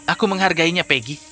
aku menghargainya peggy